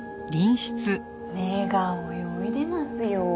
目が泳いでますよ。